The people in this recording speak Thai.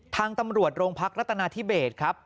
ทางตำรวจโรงพักรัฐนาธิเบสครับ